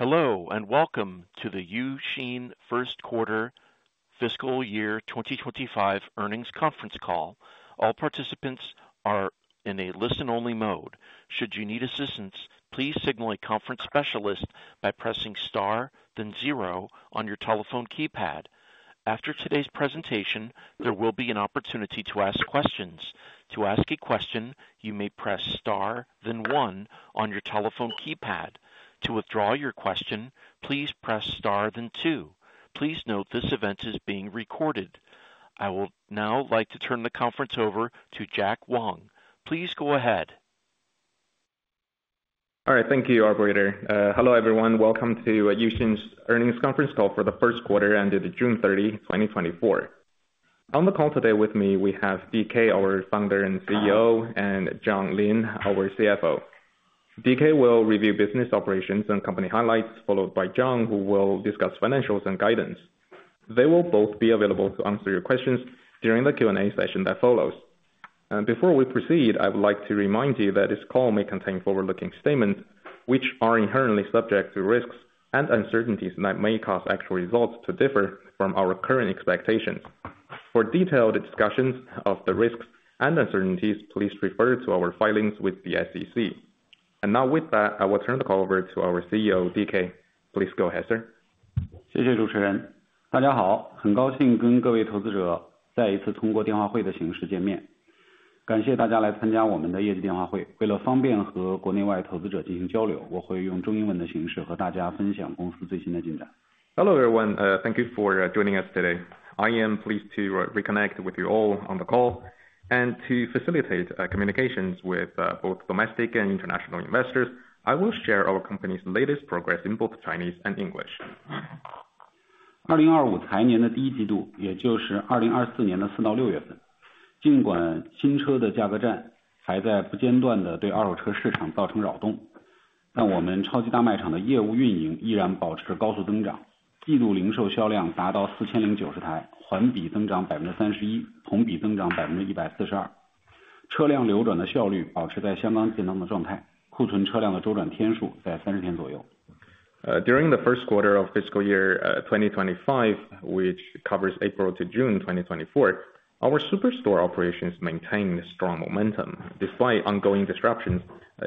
Hello, and welcome to the Uxin Q1 fiscal year 2025 earnings conference call. All participants are in a listen-only mode. Should you need assistance, please signal a conference specialist by pressing star, then zero on your telephone keypad. After today's presentation, there will be an opportunity to ask questions. To ask a question, you may press star, then one on your telephone keypad. To withdraw your question, please press star, then two. Please note this event is being recorded. I will now like to turn the conference over to Jack Wang. Please go ahead. All right, thank you, operator. Hello, everyone. Welcome to Uxin's earnings conference call for the Q1 ended June thirty, 2024. On the call today with me, we have DK, our founder and CEO, and John Lin, our CFO. DK will review business operations and company highlights, followed by John, who will discuss financials and guidance. They will both be available to answer your questions during the Q&A session that follows. Before we proceed, I would like to remind you that this call may contain forward-looking statements, which are inherently subject to risks and uncertainties that may cause actual results to differ from our current expectations. For detailed discussions of the risks and uncertainties, please refer to our filings with the SEC. Now with that, I will turn the call over to our CEO, DK. Please go ahead, sir. 谢谢主持人。大家好，很高兴跟各位投资者再次通过电话会的形式见面，感谢大家来参加我们的业绩电话会。为了方便和国内外投资者进行交流，我会用中英文的形式和大家分享公司最新的进展。Hello, everyone. Thank you for joining us today. I am pleased to reconnect with you all on the call, and to facilitate communications with both domestic and international investors, I will share our company's latest progress in both Chinese and English. 2025财年的第一季度，也就是2024年的4到6月份，尽管新车的价格战还在不间断地对二手车市场造成扰动，但我们超级大卖场的业务运营依然保持高速增长，季度零售销量达到4,090台，环比增长31%，同比增长142%。车辆流转的效率保持在相当健康的状态，库存车辆的周转天数在30天左右。During the Q1 of fiscal year 2025, which covers April to June 2024, our superstore operations maintained strong momentum, despite ongoing disruptions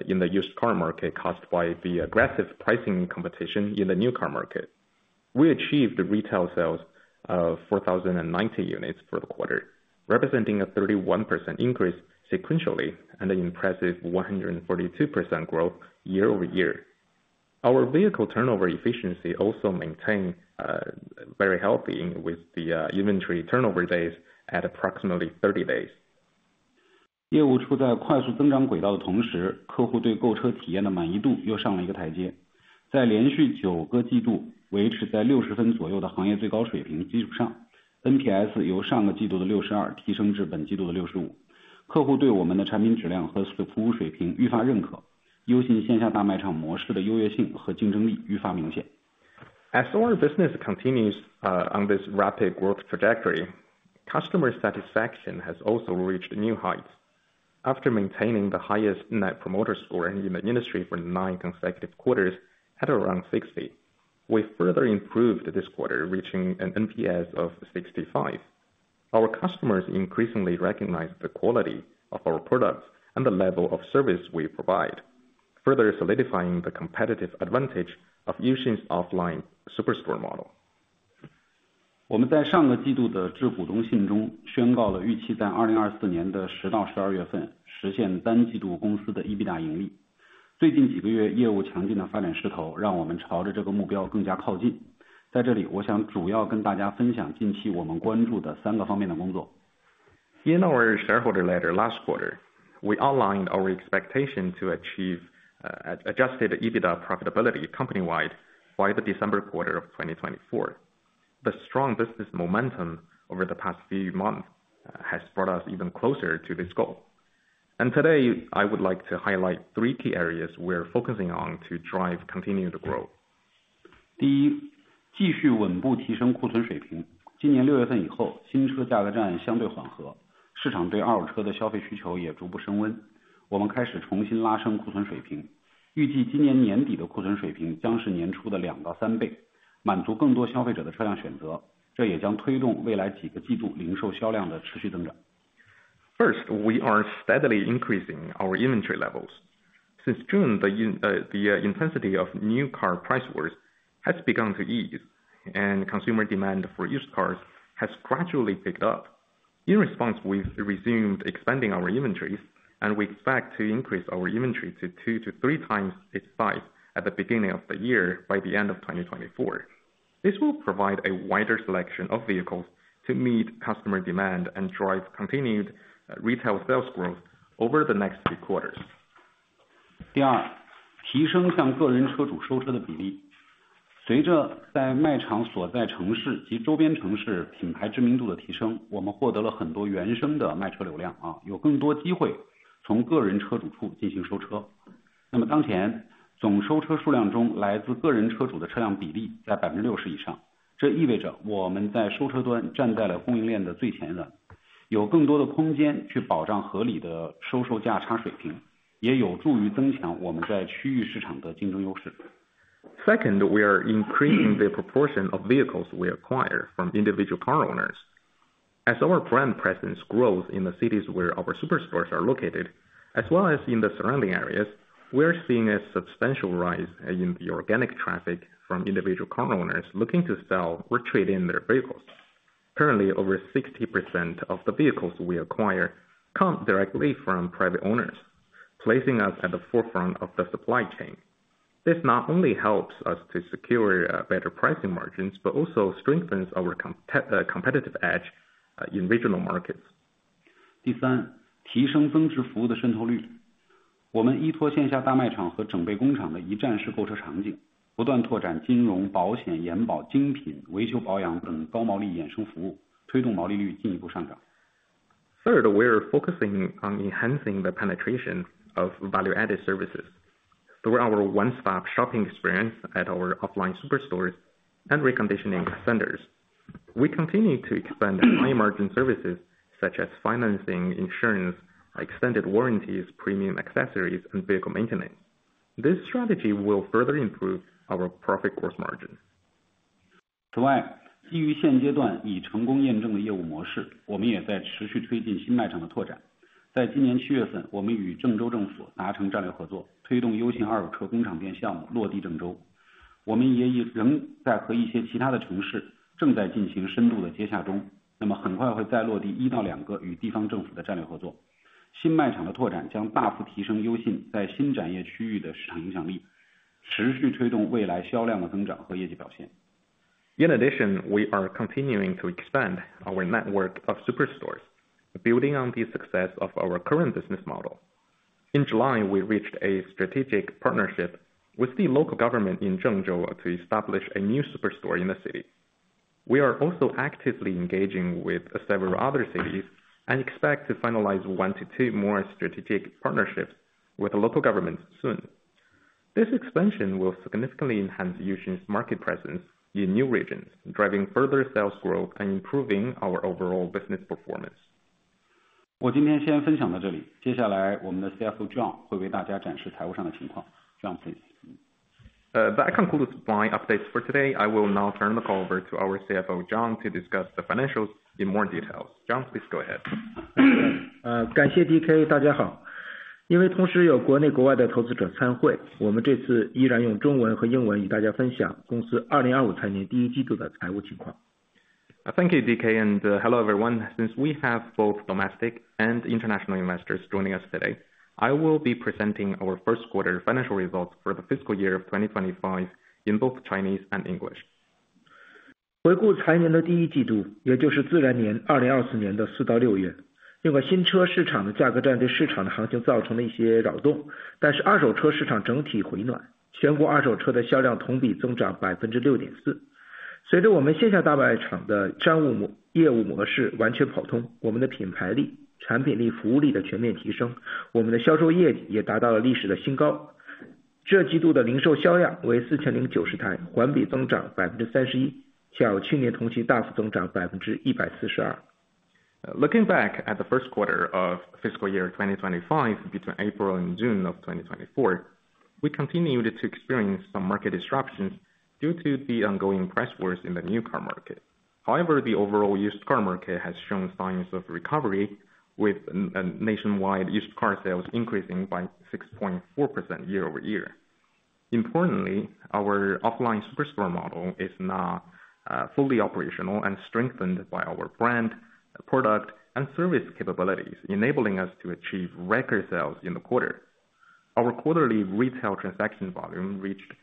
in the used car market caused by the aggressive pricing competition in the new car market. We achieved retail sales of four thousand and ninety units for the quarter, representing a 31% increase sequentially and an impressive 142% growth year-over-year. Our vehicle turnover efficiency also maintained very healthy with the inventory turnover days at approximately 30 days. 业务处在快速增长轨道的同时，客户对购车体验的满意度又上了一个台阶。在连续九个季度维持在六十分左右的行业最高水平的基础上，NPS由上个季度的六十二提升至本季度的六十五。客户对我们的产品质量和服务水平愈发认可，优信线下大卖场模式的优越性和竞争力愈发明显。As our business continues on this rapid growth trajectory, customer satisfaction has also reached new heights. After maintaining the highest Net Promoter Score in the industry for nine consecutive quarters at around 60, we further improved this quarter, reaching an NPS of 65. Our customers increasingly recognize the quality of our products and the level of service we provide, further solidifying the competitive advantage of Uxin's offline superstore model. 我们在上个季度的致股东信中，宣布了预期在二零二四年的十到十二月份实现单季度公司的EBITDA盈利。最近几个月业务强劲的发展势头，让我们朝着这个目标更加靠近。在这里，我想主要跟大家分享近期我们关注的三个方面的工 作。In our shareholder letter last quarter, we outlined our expectation to achieve adjusted EBITDA profitability company-wide by the December quarter of 2024. The strong business momentum over the past few months has brought us even closer to this goal. Today, I would like to highlight three key areas we're focusing on to drive continued growth. 第一，继续稳步提升库存水平。今年六月份以后，新车价格战相对缓和，市场对二手车的消费需求也逐步升温，我们开始重新拉升库存水平，预计今年年底的库存水平将是年初的两到三倍，满足更多消费者的车辆选择，这也将推动未来几个季度零售销量的持续增长。First, we are steadily increasing our inventory levels. Since June, the intensity of new car price wars has begun to ease, and consumer demand for used cars has gradually picked up. In response, we've resumed expanding our inventories, and we expect to increase our inventory to two to three times its size at the beginning of the year by the end of 2024. This will provide a wider selection of vehicles to meet customer demand and drive continued retail sales growth over the next three quarters. 第二，提升向个人车主收车的比例。随着在卖场所在城市及周边城市品牌知名度的提升，我们获得了很多原生的卖车流量，有更多机会从个人车主处进行收车。那么当前总收车数量中，来自个人车主的车辆比例在60%以上，这意味着我们在收车端站在了供应链的最前沿。...有更多的空间去保障合理的收售价差水平，也有助于增强我们在区域市场的竞争优势。第二, we are increasing the proportion of vehicles we acquire from individual car owners. As our brand presence grows in the cities where our superstores are located, as well as in the surrounding areas, we are seeing a substantial rise in the organic traffic from individual car owners looking to sell or trade in their vehicles. Currently, over 60% of the vehicles we acquire come directly from private owners, placing us at the forefront of the supply chain. This not only helps us to secure better pricing margins, but also strengthens our competitive edge in regional markets. 第三，提升增值服务的渗透率。我们依托线下大卖场和整备工厂的一站式购车场景，不断拓展金融、保险、延保、精品、维修保养等高毛利衍生服务，推动毛利率进一步上涨。Third, we are focusing on enhancing the penetration of value-added services through our one-stop shopping experience at our offline superstores and reconditioning centers. We continue to expand high margin services such as financing, insurance, extended warranties, premium accessories, and vehicle maintenance. This strategy will further improve our profit growth margin. 此外，基于现阶段已成功验证的业务模式，我们也在持续推进新卖场的拓展。在今年七月份，我们与郑州政府达成战略合作，推动优信二手车工厂店项目落地郑州。我们也正在和一些其他城市进行深度洽谈中，那么很快会再落地一到两个与地方政府的战略合作。新卖场的拓展将大幅提升优信在新产业区域的市场影响力，持续推动未来销量的增长和业绩表现。In addition, we are continuing to expand our network of superstores, building on the success of our current business model. In July, we reached a strategic partnership with the local government in Zhengzhou to establish a new superstore in the city. We are also actively engaging with several other cities and expect to finalize one to two more strategic partnerships with the local government soon. This expansion will significantly enhance Uxin's market presence in new regions, driving further sales growth and improving our overall business performance. 我今天先分享到这里，接下来我们的CFO John会为大家展示财务上的情况。John, please. That concludes my updates for today. I will now turn the call over to our CFO, John, to discuss the financials in more detail. John, please go ahead. 谢谢 DK，大家好，因为同时有国内国外的投资者参会，我们这次依然用中文和英文与大家分享公司 2025 财年第一季度的财务情况。Thank you, DK, and hello, everyone! Since we have both domestic and international investors joining us today, I will be presenting our Q1 financial results for the fiscal year of 2025 in both Chinese and English. Looking back at the Q1 of fiscal year 2025, between April and June of 2024, we continued to experience some market disruptions due to the ongoing price wars in the new car market. However, the overall used car market has shown signs of recovery, with a nationwide used car sales increasing by 6.4% year-over-year. Importantly, our offline superstore model is now fully operational and strengthened by our brand, product and service capabilities, enabling us to achieve record sales in the quarter. Our quarterly retail transaction volume reached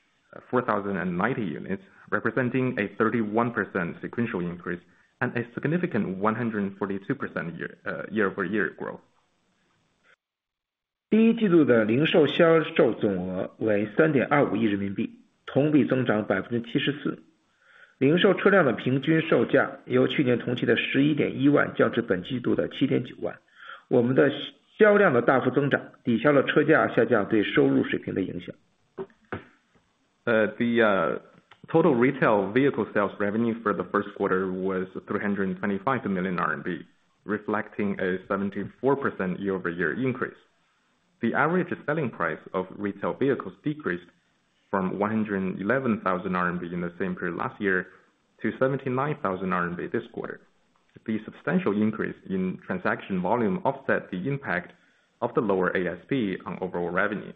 4,090 units, representing a 31% sequential increase and a significant 142% year-over-year growth. 第一季度的零售销售额为3.25亿人民币，同比增长74%。零售车辆的平均售价由去年同期的11.1万降至本季度的7.9万，我们的销量的大幅增长抵消了车价下降对收入水平的影响。The total retail vehicle sales revenue for the Q1 was 325 million RMB, reflecting a 74% year-over-year increase. The average selling price of retail vehicles decreased from 111,000 RMB in the same period last year to 79,000 RMB this quarter. The substantial increase in transaction volume offset the impact of the lower ASP on overall revenue.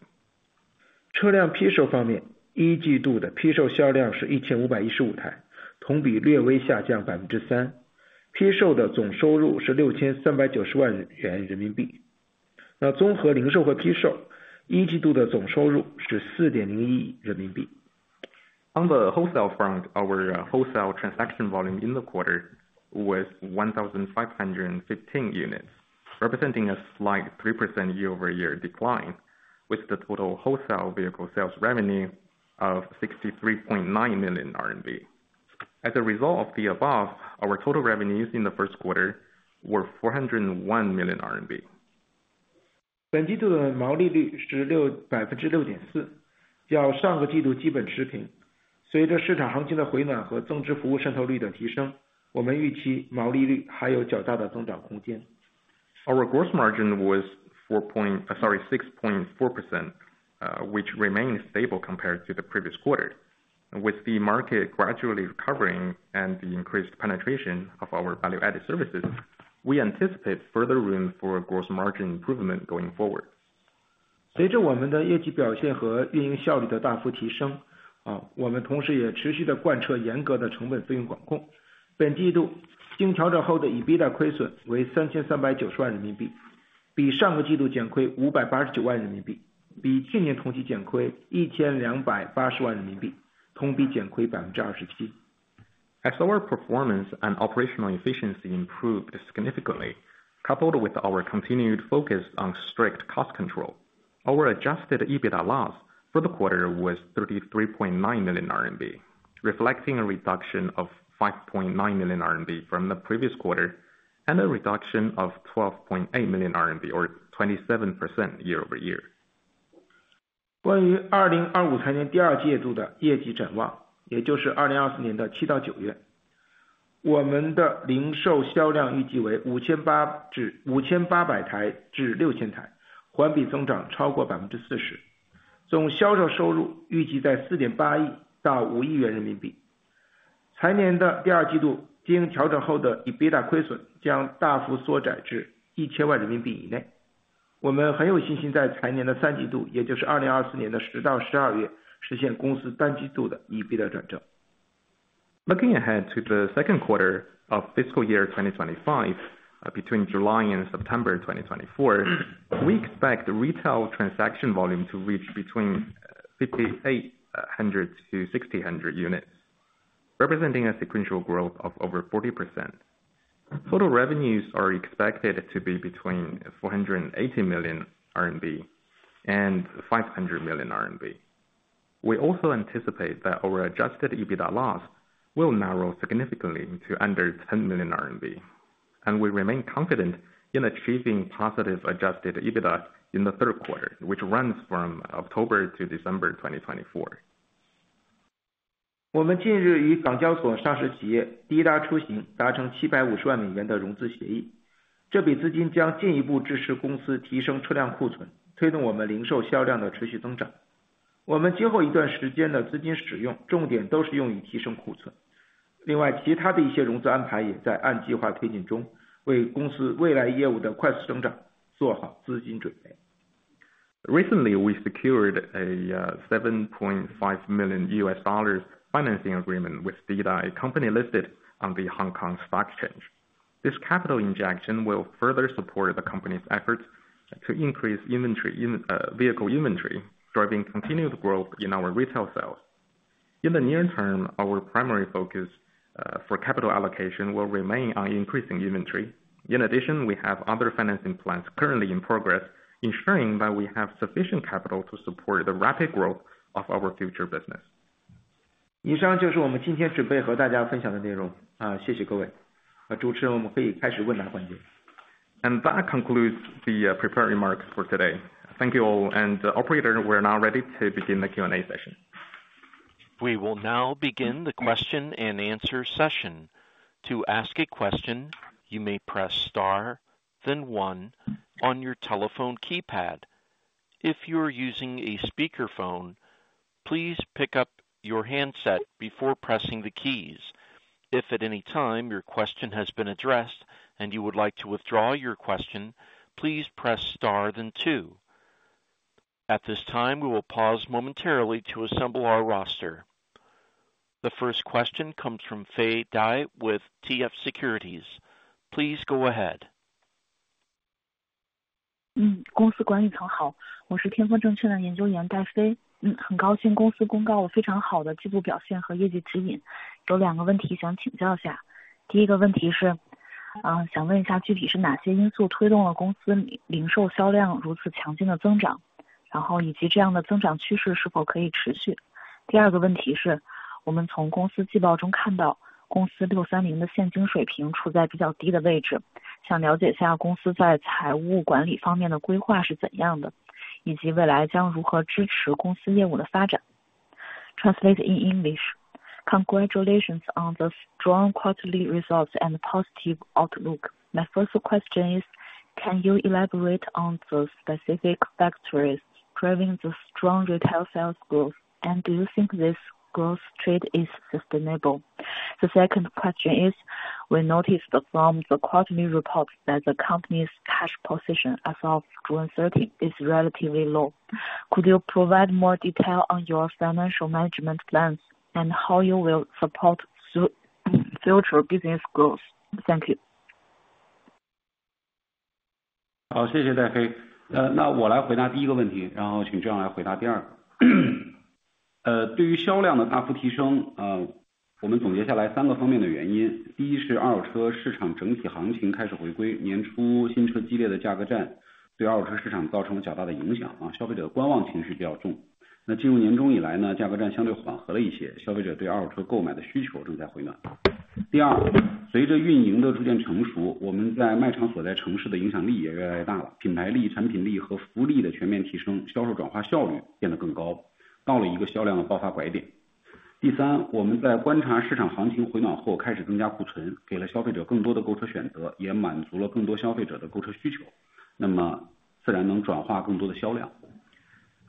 车辆批售方面，一季度的批售销量是一千五百一十五台，同比略微下降百分之三，批售的总收入是六千三百九十万元人民币。那综合零售和批售，一季度的总收入是四点零一亿人民币。On the wholesale front, our wholesale transaction volume in the quarter was 1,515 units, representing a slight 3% year-over-year decline, with the total wholesale vehicle sales revenue of 63.9 million RMB. As a result of the above, our total revenues in the Q1 were 401 million RMB. ...本季度的毛利率是6.4%，较上个季度基本持平。随着市场行情的回暖和增值服务渗透率的提升，我们预期毛利率还有较大的增长空间。Our gross margin was 6.4%, which remains stable compared to the previous quarter. With the market gradually recovering and the increased penetration of our value-added services, we anticipate further room for gross margin improvement going forward. 随着我们的业绩表现和运营效率的大幅提升，我们同时也持续地贯彻严格的成本费用管控。本季度经调整后的EBITDA亏损为3,390万元人民币，比上个季度减亏589万元人民币，比去年同期减亏1,280万元人民币，同比减亏27%。As our performance and operational efficiency improved significantly, coupled with our continued focus on strict cost control, our Adjusted EBITDA loss for the quarter was 33.9 million RMB, reflecting a reduction of 5.9 million RMB from the previous quarter, and a reduction of 12.8 million RMB, or 27% year-over-year. Regarding the performance outlook for the Q2 of fiscal year 2025, which is July to September of 2024, our retail sales volume is expected to be 5,800-6,000 units, with sequential growth exceeding 40%. Total sales revenue is expected at RMB 480 million-RMB 500 million. For the Q2 of the fiscal year, adjusted EBITDA loss will be significantly narrowed to within RMB 10 million. We are very confident that in the Q3 of the fiscal year, which is October to December of 2024, we will achieve positive EBITDA for the company's single quarter. Looking ahead to the Q2 of fiscal year 2025, between July and September 2024, we expect retail transaction volume to reach between 580 and 600 units, representing a sequential growth of over 40%. Total revenues are expected to be between 480 million RMB and 500 million RMB. We also anticipate that our adjusted EBITDA loss will narrow significantly to under 10 million RMB, and we remain confident in achieving positive adjusted EBITDA in the Q3, which runs from October to December 2024. 我们近日与港交所上市公司迪达出行达成七百五十万美元的融资协议，这笔资金将进一步支持公司提升车辆库存，推动我们零售销量的持续增长。我们今后一段时间的资金使用重点都是用于提升库存。另外，其他的一些融资安排也在按计划推进中，为公司未来业务的快速增长做好资金准备。Recently, we secured a $7.5 million financing agreement with Dida, a company listed on the Hong Kong Stock Exchange. This capital injection will further support the company's efforts to increase inventory in vehicle inventory, driving continued growth in our retail sales. In the near term, our primary focus for capital allocation will remain on increasing inventory. In addition, we have other financing plans currently in progress, ensuring that we have sufficient capital to support the rapid growth of our future business. 以上就是我们今天准备和大家分享的内容，啊，谢谢各位。主持人，我们可以开始问答环节。That concludes the prepared remarks for today. Thank you all. Operator, we're now ready to begin the Q&A session. We will now begin the question and answer session. To ask a question, you may press star, then one on your telephone keypad. If you are using a speakerphone, please pick up your handset before pressing the keys. If at any time your question has been addressed and you would like to withdraw your question, please press star then two. At this time, we will pause momentarily to assemble our roster. The first question comes from Fei Dai with TF Securities. Please go ahead. Hello company management. I am Fei Dai, the analyst from TF Securities. I am very pleased with the company's announcement of very good quarterly performance and performance guidance. I have two questions. First question: What specific factors drove the company's retail sales volume to such strong growth, and can this growth trend be sustained? Second question: From the company's quarterly report, we see that the company's RMB 630 million cash level is at a relatively low position. I would like to understand the company's planning in terms of financial management, and how it will support the company's business development in the future. The second question is, we noticed from the quarterly report that the company's cash position as of June thirty is relatively low. Could you provide more detail on your financial management plans and how you will support such future business growth? Thank you.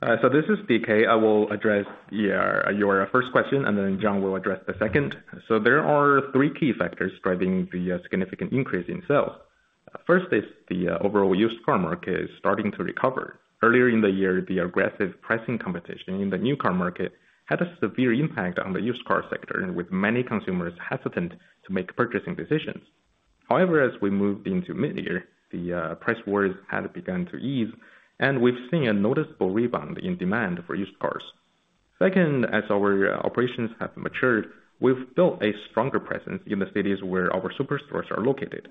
So this is DK. I will address, yeah, your first question, and then John will address the second. So there are three key factors driving the significant increase in sales. First is the overall used car market is starting to recover. Earlier in the year, the aggressive pricing competition in the new car market had a severe impact on the used car sector, and with many consumers hesitant to make purchasing decisions. However, as we moved into midyear, the price wars had begun to ease, and we've seen a noticeable rebound in demand for used cars. Second, as our operations have matured, we've built a stronger presence in the cities where our superstores are located.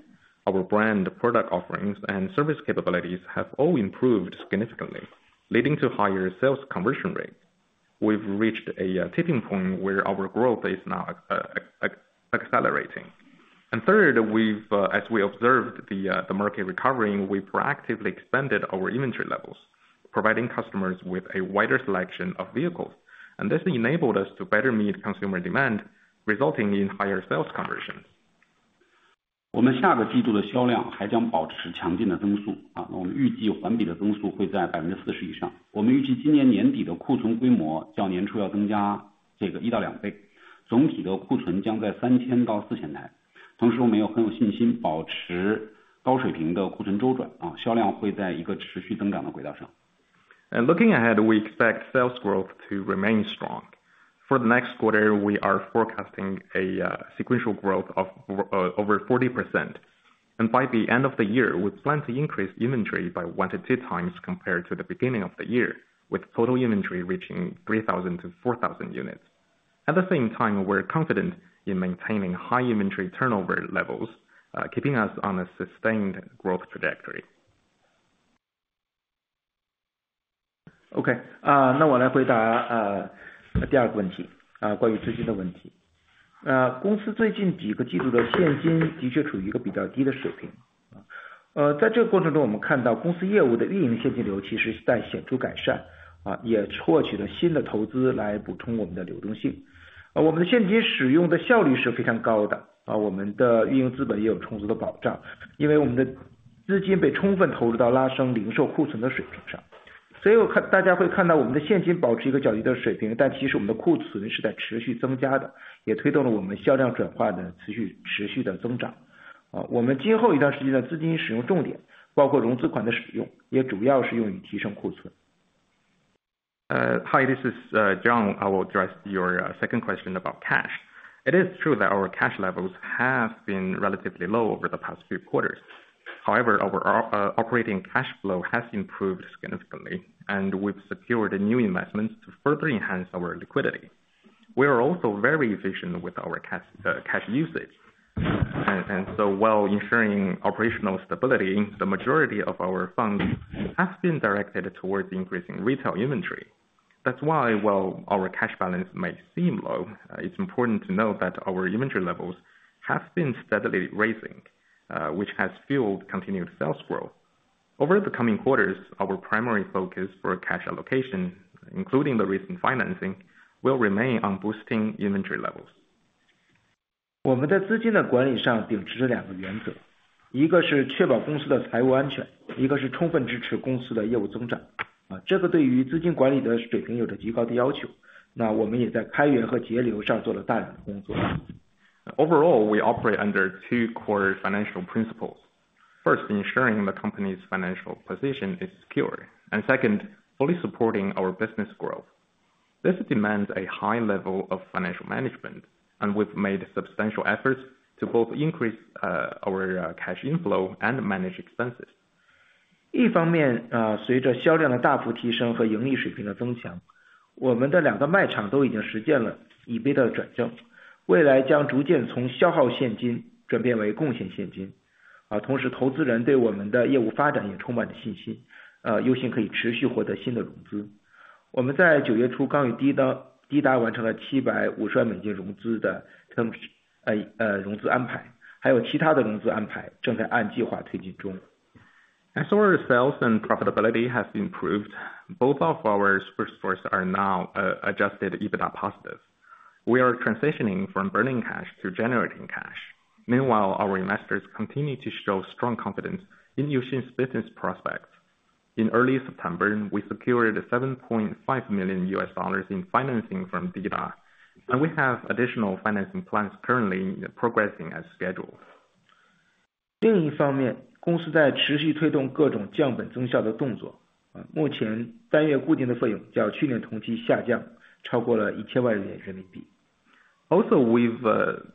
Our brand, product offerings, and service capabilities have all improved significantly, leading to higher sales conversion rate. We've reached a tipping point where our growth is now accelerating. And third, we've, as we observed the market recovering, we proactively expanded our inventory levels, providing customers with a wider selection of vehicles, and this enabled us to better meet consumer demand, resulting in higher sales conversion. 我们下一个季度的销量还将保持强劲的增速，我们预计环比的增速会在40%以上。我们预计今年年底的库存规模较年初要增加这个一到两倍，总体的库存将在3000到4000台。同时我们也有很有信心保持高水平的库存周转，销量会在一个持续增长的轨道上。Looking ahead, we expect sales growth to remain strong. For the next quarter, we are forecasting a sequential growth of over 40%, and by the end of the year, we plan to increase inventory by one to two times compared to the beginning of the year, with total inventory reaching 3,000-4,000 units. At the same time, we are confident in maintaining high inventory turnover levels, keeping us on a sustained growth trajectory. OK，那我来回答，第二个问题，关于资金的问题。公司最近几个季度的现金的确处于一个比较低的水准，在这个过程中，我们看到公司业务的运营现金流其实是在显著改善，也获取了新的投资来补充我们的流动性。我们的现金使用的效率是非常高的，我们的运营资本也有充足的保障，因为我们的资金被充分投入到拉升零售库存的水平上。所以我看大家会看到我们的现金保持一个较低的水准，但其实我们的库存是在持续增加的，也推动了我们销量转化的持续增长。我们今后一段时间的资金使用重点，包括融资款的使用，也主要是用于提升库存。Hi, this is John. I will address your second question about cash. It is true that our cash levels have been relatively low over the past few quarters. However, our operating cash flow has improved significantly, and we've secured new investments to further enhance our liquidity. We are also very efficient with our cash usage. And so while ensuring operational stability, the majority of our funds have been directed towards increasing retail inventory. That's why, while our cash balance may seem low, it's important to note that our inventory levels have been steadily rising, which has fueled continued sales growth. Over the coming quarters, our primary focus for cash allocation, including the recent financing, will remain on boosting inventory levels. 我们在资金的管理上秉持着两个原则：一个是确保公司的财务安全，一个是充分支持公司的业务增长，啊，这个对于资金管理水平有着极高的要求，那我们也在开源和节流上做了大量的工作。Overall, we operate under two core financial principles. First, ensuring the company's financial position is secure, and second, fully supporting our business growth. This demands a high level of financial management, and we've made substantial efforts to both increase our cash inflow and manage expenses. As our sales and profitability has improved, both of our stores are now Adjusted EBITDA positive. We are transitioning from burning cash to generating cash. Meanwhile, our investors continue to show strong confidence in Uxin's business prospects. In early September, we secured $7.5 million in financing from Dida, and we have additional financing plans currently progressing as scheduled. 另一方面，公司持续推动各种降本增效的动作，目前单月固定的费用较去年同期下降超过了1000万元人民币。Also, we've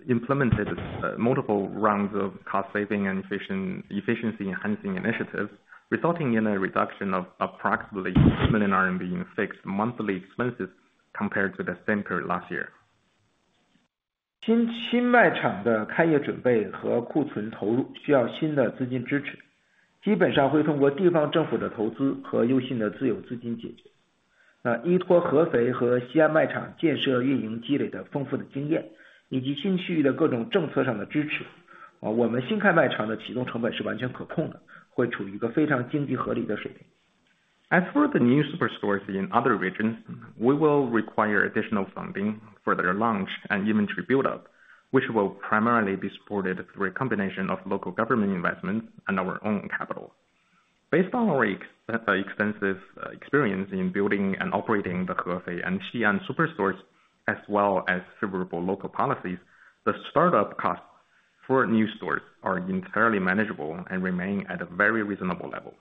implemented multiple rounds of cost-saving and efficiency-enhancing initiatives, resulting in a reduction of approximately 2 million RMB in fixed monthly expenses compared to the same period last year. As for the new superstores in other regions, we will require additional funding for their launch and inventory build-up, which will primarily be supported through a combination of local government investments and our own capital. Based on our extensive experience in building and operating the Hefei and Xi'an superstores, as well as favorable local policies, the startup costs for new stores are entirely manageable and remain at a very reasonable level.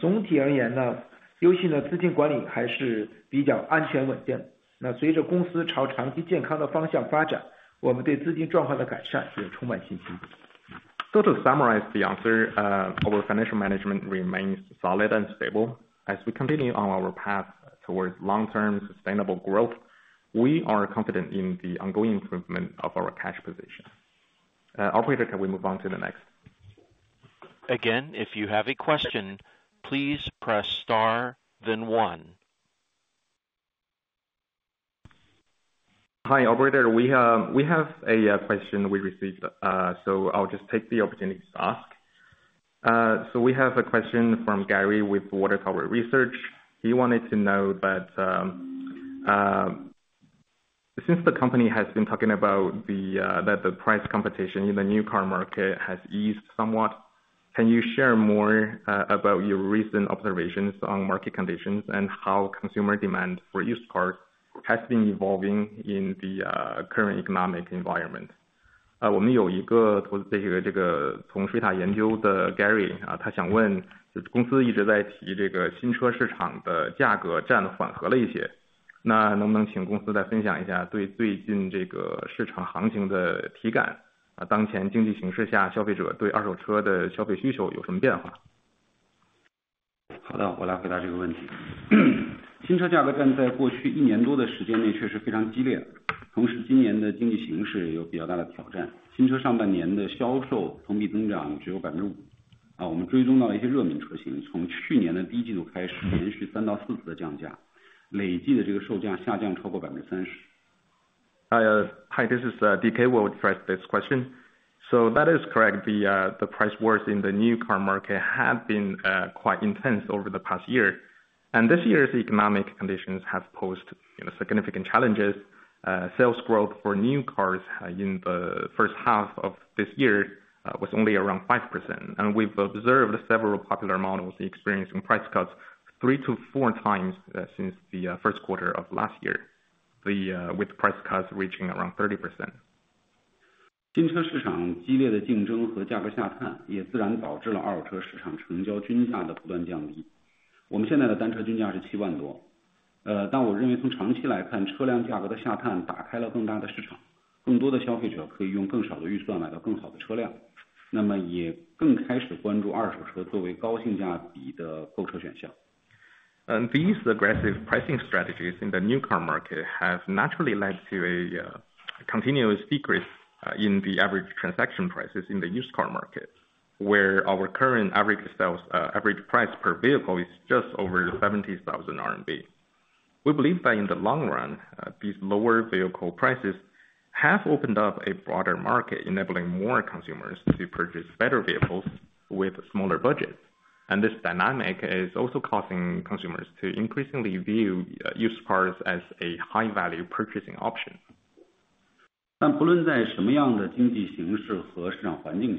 总体而言呢，优信的资金管理还是比较安全稳定的。那随着公司朝长期健康的方向发展，我们对资金状况的改善也充满信心。So to summarize the answer, our financial management remains solid and stable. As we continue on our path towards long-term sustainable growth, we are confident in the ongoing improvement of our cash position. Operator, can we move on to the next? Again, if you have a question, please press star, then one. Hi, operator. We have a question we received, so I'll just take the opportunity to ask, so we have a question from Gary with Water Tower Research. He wanted to know that since the company has been talking about that the price competition in the new car market has eased somewhat, can you share more about your recent observations on market conditions, and how consumer demand for used cars has been evolving in the current economic environment? We have an investor, this Gary from Water Tower Research. He wants to ask, the company has been mentioning that the price war in the new car market has eased some. Can the company please share more about the recent market sentiment? Under the current economic situation, what changes have there been in consumers' demand for used cars? Good. I will answer this question. The new car price war has indeed been very intense over the past year or more. At the same time, this year's economic situation also has relatively big challenges. New car sales in the first half of the year grew only 5% year-over-year. We tracked some popular models. Starting from the Q1 of last year, there were consecutive three to four price drops. The cumulative selling price decline exceeded 30%. Hi, this is DK. We'll address this question. So that is correct. The price wars in the new car market have been quite intense over the past year, and this year's economic conditions have posed, you know, significant challenges. Sales growth for new cars in the first half of this year was only around 5%, and we've observed several popular models experiencing price cuts three to four times since the Q1 of last year, with price cuts reaching around 30%. 新车市场激烈的竞争和价格下探，也自然导致了二手车市场成交均价的不断降低。我们现在的单车均价是七万多。但我觉得从长期来看，车辆价格的下探打开了更大的市场，更多的消费者可以用更少的预算买到更好的车辆，那么也更开始关注二手车作为高性价比的购车选项。These aggressive pricing strategies in the new car market have naturally led to a continuous decrease in the average transaction prices in the used car market, where our current average sales average price per vehicle is just over 70,000 RMB. We believe that in the long run, these lower vehicle prices have opened up a broader market, enabling more consumers to purchase better vehicles with smaller budgets. This dynamic is also causing consumers to increasingly view used cars as a high-value purchasing option. 但不论在什么样的经济形势和市场环境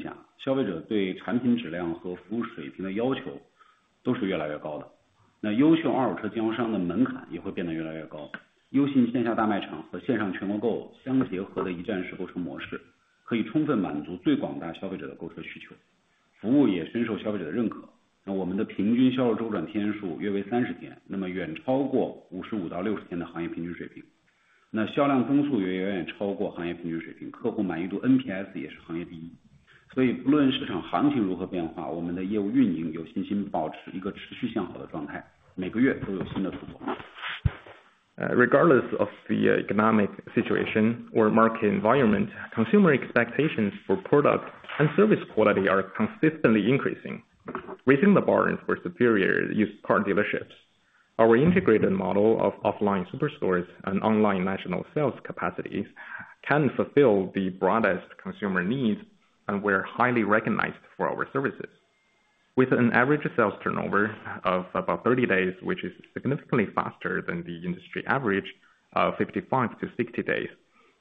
下，消费者对产品质量和服务水平的要求都是越来越高的，那优秀二手车经销商的门槛也会变得越来越高。优信线下大卖场和线上全国购相结合的一站式购车模式，可以充分满足最广大消费者的购车需求，服务也深受消费者的认可。那我们的平均销售周转天数约为三十天，那么远远超过五十五到六十天的行业平均水平，那销量增速也远远超过行业平均水平，客户满意度NPS也是行业第一。所以不论市场行情如何变化，我们的业务运营有信心保持一个持续向好的状态，每个月都有新的突破。Regardless of the economic situation or market environment, consumer expectations for product and service quality are consistently increasing, raising the bar for superior used car dealerships. Our integrated model of offline superstores and online national sales capacities can fulfill the broadest consumer needs, and we're highly recognized for our services. With an average sales turnover of about 30 days, which is significantly faster than the industry average of 55-60 days,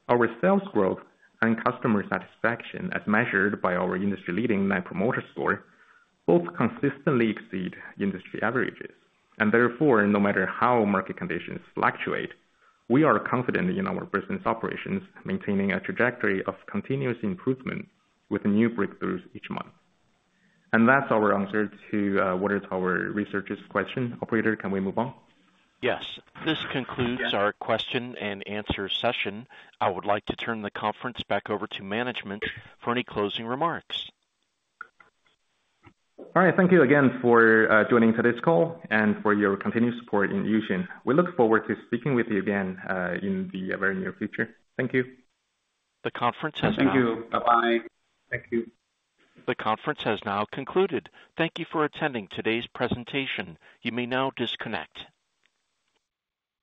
our sales growth and customer satisfaction, as measured by our industry-leading Net Promoter Score, both consistently exceed industry averages, and therefore, no matter how market conditions fluctuate, we are confident in our business operations, maintaining a trajectory of continuous improvement with new breakthroughs each month, and that's our answer to Water Tower Research's question. Operator, can we move on? Yes, this concludes our question and answer session. I would like to turn the conference back over to management for any closing remarks. All right. Thank you again for joining today's call and for your continued support in Uxin. We look forward to speaking with you again in the very near future. Thank you. The conference has now. Thank you. Bye-bye. Thank you. The conference has now concluded. Thank you for attending today's presentation. You may now disconnect.